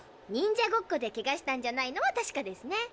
ニンジャごっこでケガしたんじゃないのは確かですね。